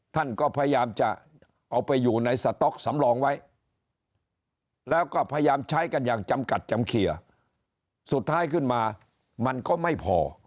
ท่านก็พยายามจะเอาไปอยู่ในสต๊อกสำรองไว้แล้วก็พยายามใช้กันอย่างจำกัดจำเคลียร์สุดท้ายขึ้นมามันก็ไม่พอ